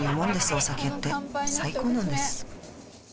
お酒って最高なんです